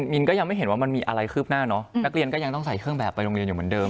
มินก็ยังไม่เห็นว่ามันมีอะไรคืบหน้าเนอะนักเรียนก็ยังต้องใส่เครื่องแบบไปโรงเรียนอยู่เหมือนเดิม